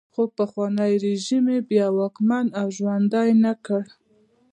خو پخوانی رژیم یې بیا واکمن او ژوندی نه کړ.